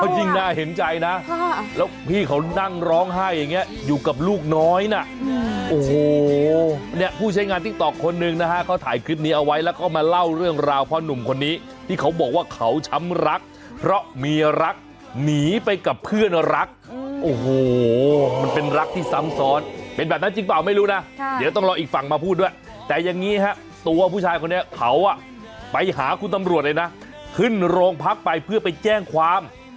แต่อย่างนี้ฮะตัวผู้ชายคนนี้เขาอ่ะไปหาคุณตำรวจเลยนะขึ้นโรงพักไปเพื่อไปแจ้งความ